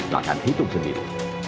lakukan hitung sendiri